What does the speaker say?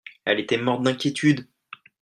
Elle était morte d'inquiétude.